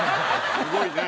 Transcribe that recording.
すごいね。